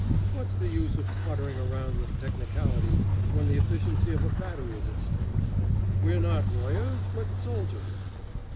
What's the use of pottering around with technicalities when the efficiency of a battery is at stake? We're not lawyers, but soldiers."